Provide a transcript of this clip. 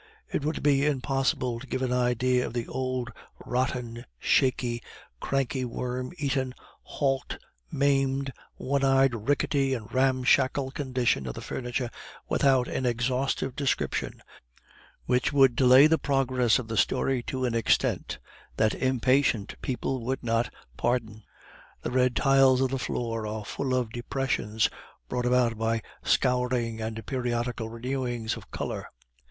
It would be impossible to give an idea of the old, rotten, shaky, cranky, worm eaten, halt, maimed, one eyed, rickety, and ramshackle condition of the furniture without an exhaustive description, which would delay the progress of the story to an extent that impatient people would not pardon. The red tiles of the floor are full of depressions brought about by scouring and periodical renewings of color.